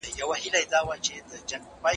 د دې لامل دا دی چې د کتاب ګټه سملاسي نه ښکاري.